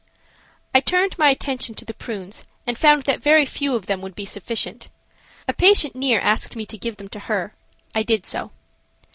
I turned my attention to the prunes and found that very few of them would be sufficient. A patient near asked me to give them to her. I did so.